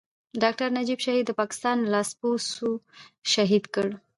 ډاکټر نجيب شهيد د پاکستان لاسپوڅو شهيد کړ.